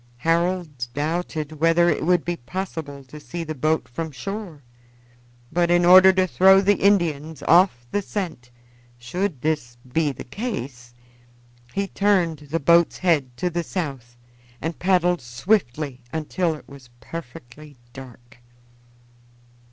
Harold doubted whether it would be possible to see the boat from shore, but in order to throw the Indians off the scent, should this be the case, he turned the boat's head to the south and paddled swiftly until it was perfectly dark.